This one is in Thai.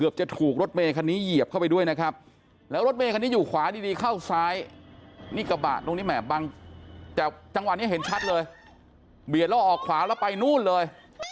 เบียดแล้วออกขวาแล้วไปนู่นเลย